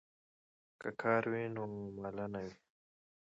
که کار وي نو ماله نه وي.